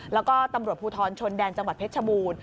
แล้วก็ตำรวจภูทรชนแดนจังหวัดเพชรชบูรณ์